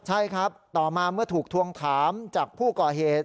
ใช่ครับต่อมาเมื่อถูกทวงถามจากผู้ก่อเหตุ